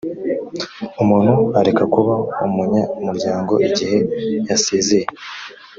umuntu areka kuba umunyamuryango igihe yasezeye.